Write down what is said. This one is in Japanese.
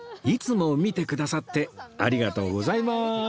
いつも見てくださってありがとうございまーす！